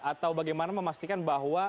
atau bagaimana memastikan bahwa